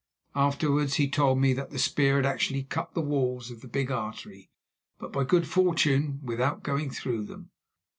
Afterwards he told me that the spear had actually cut the walls of the big artery, but, by good fortune, without going through them.